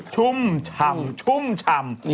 ชุ่มชำชุ่มชำ